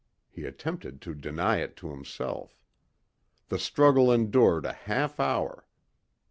He attempted to deny it to himself. The struggle endured a half hour.